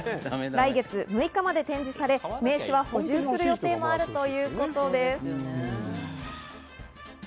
来月６日まで展示され、ＢＩＧＢＯＳＳの名刺は補充する予定もあるということです。